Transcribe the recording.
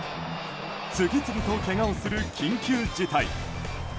次々とけがをする緊急事態。